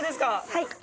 はい。